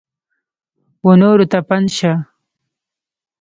ونورو ته پند شه !